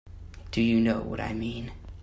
Do you know what I mean?